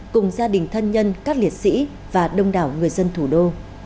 cùng gia đình thân nhân các liệt sĩ và đông đảo người dân thủ đô